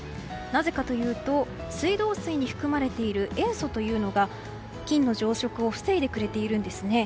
なぜかというと水道水に含まれている塩素というのが菌の増殖を防いでくれているんですね。